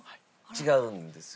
違うんですよ。